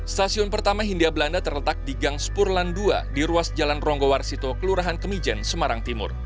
stasiun pertama hindia belanda terletak di gang spurlan dua di ruas jalan ronggowarsito kelurahan kemijen semarang timur